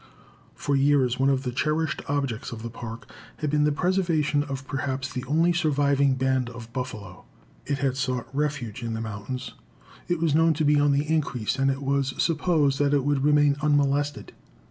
For years one of the cherished objects of the Park had been the preservation of perhaps the only surviving band of buffalo. It had sought refuge in the mountains. It was known to be on the increase and it was supposed that it would remain unmolested.